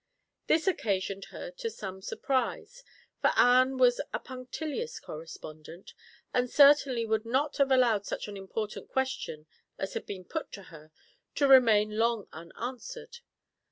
This occasioned her to some surprise, for Anne was a punctilious correspondent, and certainly would not have allowed such an important question as had been put to her to remain long unanswered.